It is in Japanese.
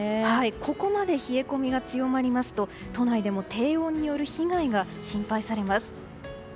ここまで冷え込みが強まりますと都内でも低温による被害が心配されます。